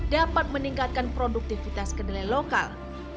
dapat meningkatkan produktivitas kedelai lokal